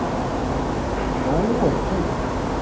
农委会已修法